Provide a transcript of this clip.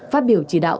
phát biểu chỉ đạo